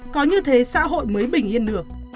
có như thế xã hội mới bình yên được